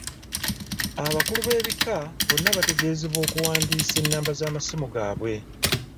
Abakulu b'ebika bonna baategeezebwa okuwandiisa ennamba z'amasimu gaabwe.